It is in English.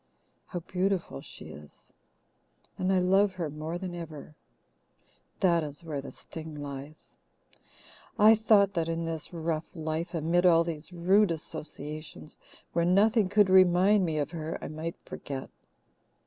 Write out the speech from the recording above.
How beautiful she is! And I love her more than ever. That is where the sting lies. I thought that in this rough life, amid all these rude associations, where nothing could remind me of her, I might forget.